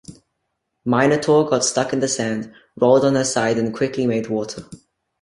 "Minotaur" got stuck in the sand, rolled on her side and quickly made water.